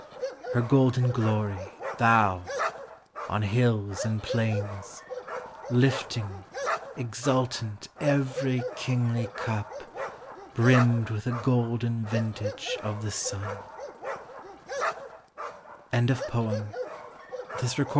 Her golden glory, Ihoii ! on hills and plains, Lifting, exultant, ever} kingly cup Brimmed with the golden vintage of the sua IN A DONNA COOLBR1 I II.